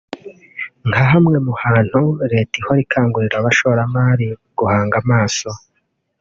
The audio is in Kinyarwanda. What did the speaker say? nka hamwe mu hantu Leta ihora ikangurira abashoramari guhanga amaso